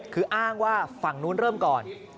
คืออ้างว่าฝั่งนู้นเริ่มก่อน